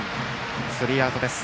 スリーアウトです。